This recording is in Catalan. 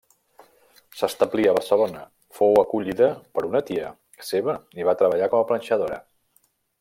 S'establí a Barcelona, fou acollida per una tia seva i va treballar com a planxadora.